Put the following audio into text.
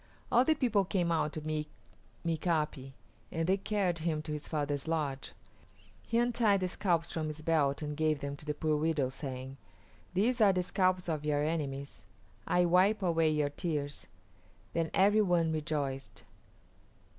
All the people came out to meet Mika´pi, and they carried him to his father's lodge. He untied the scalps from his belt and gave them to the poor widows, saying, "These are the scalps of your enemies; I wipe away your tears." Then every one rejoiced.